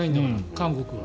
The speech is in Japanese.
韓国は。